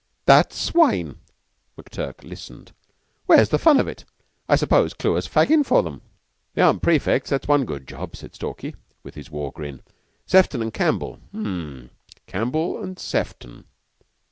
"What swine!" McTurk listened. "Where's the fun of it? I suppose Clewer's faggin' for them." "They aren't prefects. That's one good job," said Stalky, with his war grin. "Sefton and Campbell! Um! Campbell and Sefton!